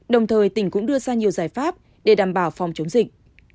đồng thời tỉnh cũng đưa ra nhiều giải pháp để đảm bảo phòng chống dịch